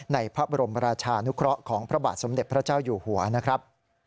ในพระบรมราชานุเคราะห์ของพระบาทสมเด็จพระเจ้าอยู่หัวนะครับ